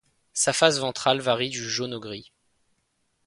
Sa face ventrale varie du jaune au gris.